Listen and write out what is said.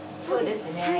そうですね。